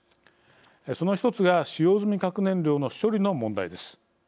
その１つが使用済み核燃料の処理の問題です。